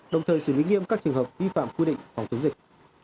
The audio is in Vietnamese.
đồng thời xử lý nghiêm các trường hợp vi phạm quy định phòng chống dịch